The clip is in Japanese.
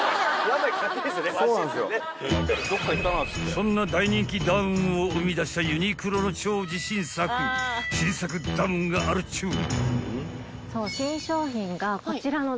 ［そんな大人気ダウンを生み出したユニクロの超自信作新作ダウンがあるっちゅう］